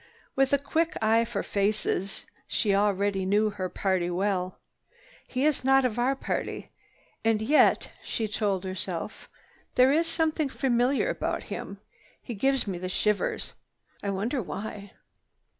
With a quick eye for faces she already knew all her party well. "He is not of our party, and yet," she told herself, "there is something familiar about him. He gives me the shivers. I wonder why."